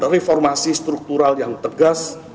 reformasi struktural yang tegas